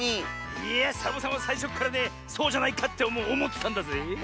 いやサボさんはさいしょっからねそうじゃないかっておもってたんだぜえ。